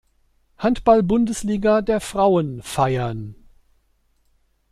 Handball-Bundesliga der Frauen feiern.